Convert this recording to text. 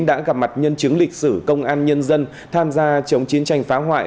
đã gặp mặt nhân chứng lịch sử công an nhân dân tham gia chống chiến tranh phá hoại